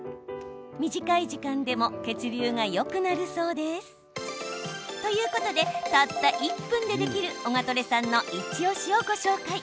短い時間でも血流がよくなるそうです。ということでたった１分でできるオガトレさんのイチおしをご紹介。